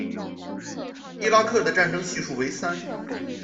伊拉克的战争系数为三。